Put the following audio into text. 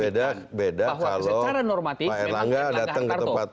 beda beda calon pak l langga datang ke tempat